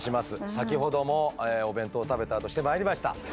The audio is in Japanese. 先ほどもお弁当を食べたあとしてまいりました。